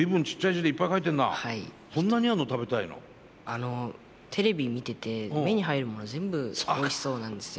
あのテレビ見てて目に入るもの全部おいしそうなんですよ。